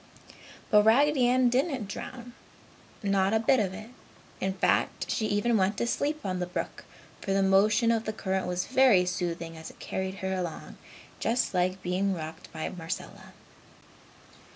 But Raggedy Ann didn't drown not a bit of it. In fact, she even went to sleep on the brook, for the motion of the current was very soothing as it carried her along just like being rocked by Marcella.